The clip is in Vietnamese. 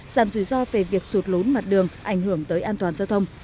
giảm rủi ro về việc sụt lốn mặt đường ảnh hưởng tới an toàn giao thông